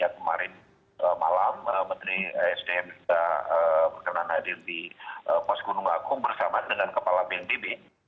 kemarin malam menteri sdm juga berkenan hadir di pos gunung agung bersama dengan kepala bnpb